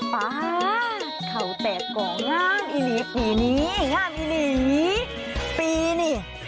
ป่าเขาแตกก่อนข้างอีหรี่ปีนี้ข้ามอีหรี่ปีนี้